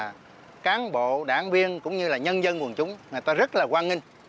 các cán bộ đảng viên cũng như là nhân dân quần chúng người ta rất là quan nghi